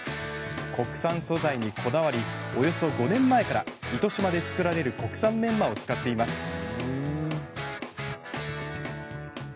国産素材にこだわりおよそ５年前から糸島で作られる国産メンマを使っています。